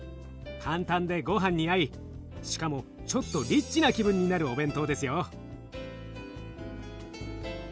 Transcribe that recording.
簡単でごはんに合いしかもちょっとリッチな気分になるお弁当ですよ。